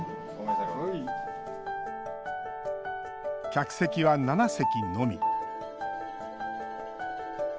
客席は７席のみ。